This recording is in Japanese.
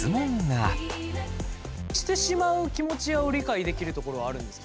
してしまう気持ちを理解できるところはあるんですか？